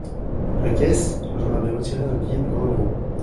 La caisse ? J’en avais retiré un billet de vingt euros.